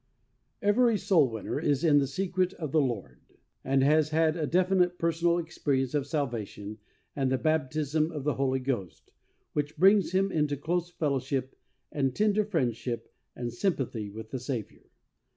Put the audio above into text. Every soul winner is in the secret of the Lord, and has had a definite personal ex perience of salvation and the baptism of the Holy Ghost, which brings him into close fellowship and tender friendship and sym pathy with the Saviour.